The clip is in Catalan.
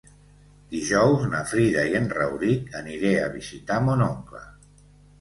Dijous na Frida i en Rauric aniré a visitar mon oncle.